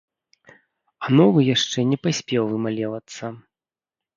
А новы яшчэ не паспеў вымалевацца.